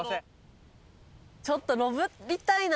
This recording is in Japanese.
ちょっと。